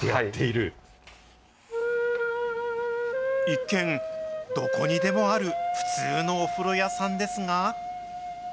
一見、どこにでもある普通のお風呂屋さんですが。